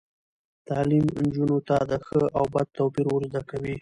تعلیم نجونو ته د ښه او بد توپیر ور زده کوي.